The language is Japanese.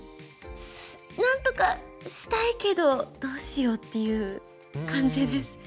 なんとかしたいけどどうしようっていう感じです。